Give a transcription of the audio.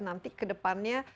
nanti ke depannya